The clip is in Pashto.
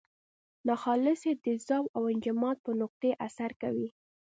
ناخالصې د ذوب او انجماد په نقطې اثر کوي.